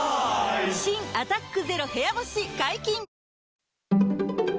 新「アタックＺＥＲＯ部屋干し」解禁‼